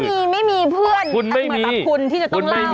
เดี๋ยวฉันไม่มีเพื่อนที่จะต้องเล่า